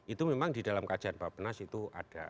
itu memang di dalam kajian pak benas itu ada